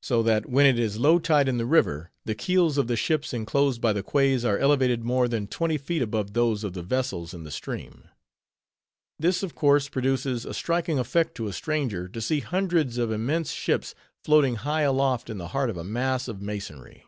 So that when it is low tide in the river, the keels of the ships inclosed by the quays are elevated more than twenty feet above those of the vessels in the stream. This, of course, produces a striking effect to a stranger, to see hundreds of immense ships floating high aloft in the heart of a mass of masonry.